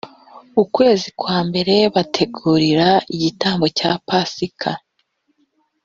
ukwezi kwa mbere bategurira igitambo cya pasika